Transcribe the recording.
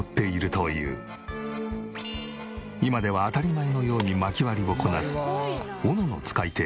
今では当たり前のように薪割りをこなす斧の使い手